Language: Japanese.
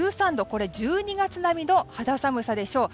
これ１２月並みの肌寒さでしょう。